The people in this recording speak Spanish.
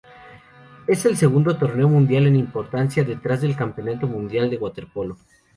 Es el segundo torneo mundial en importancia detrás del Campeonato Mundial de Waterpolo.